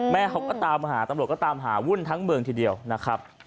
แม่เขาก็ตามหาตำรวจก็ตามหาวุ่นทั้งเมืองทีเดียวนะครับ